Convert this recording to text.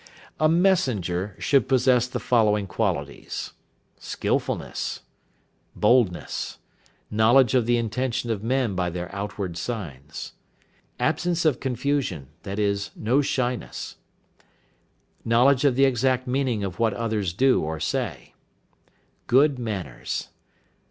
A messenger should possess the following qualities: Skilfulness. Boldness. Knowledge of the intention of men by their outward signs. Absence of confusion, i.e., no shyness. Knowledge of the exact meaning of what others do or say. Good manners.